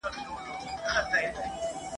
د نر هلک ژړا په زانګو کي معلومېږي !.